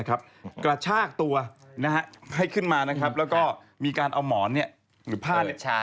กระชากตัวให้ขึ้นมาแล้วก็มีการเอาหมอนหรือผ้า